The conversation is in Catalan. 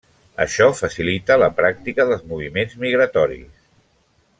Això facilita la pràctica dels moviments migratoris.